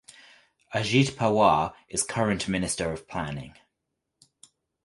Ajit Pawar is Current Minister of Planning.